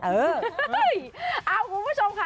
เอ้ยเอาคุณผู้ชมค่ะ